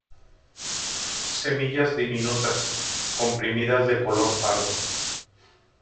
Semillas diminutas, comprimidas de color pardo.